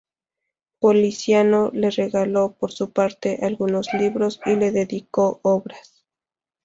Poliziano le regaló, por su parte, algunos libros y le dedicó obras.